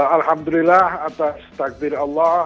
alhamdulillah atas takbir allah